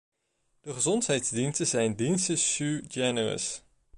De gezondheidsdiensten zijn diensten sui generis.